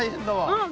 うん。